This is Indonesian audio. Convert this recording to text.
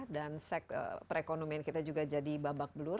dan perekonomian kita juga jadi babak belur